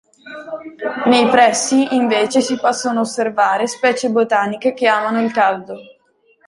Nei pressi, invece, si possono osservare specie botaniche che amano il caldo.